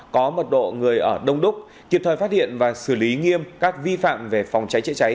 có mật độ người ở đông đúc kịp thời phát hiện và xử lý nghiêm các vi phạm về phòng cháy chữa cháy